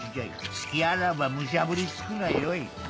隙あらばむしゃぶりつくがよい。